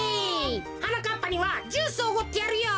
はなかっぱにはジュースをおごってやるよ。